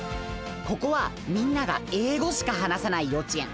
ここはみんながえいごしかはなさないようちえん。